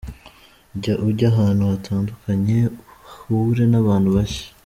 Jya ujya ahantu hatandukanye uhure n’ abantu bashya.